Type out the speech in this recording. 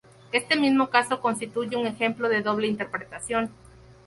Este mismo caso constituye un ejemplo de doble interpretación.